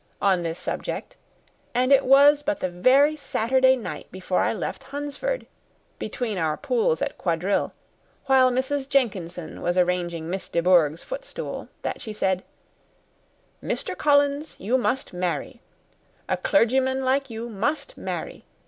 on this subject; and it was but the very Saturday night before I left Hunsford, between our pools at quadrille, while Mrs. Jenkinson was arranging Miss De Bourgh's footstool, that she said, 'Mr. Collins, you must marry. A clergyman like you must marry.